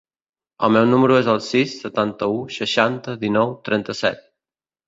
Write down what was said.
El meu número es el sis, setanta-u, seixanta, dinou, trenta-set.